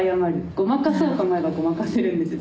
ごまかそうと思えばごまかせるんですよ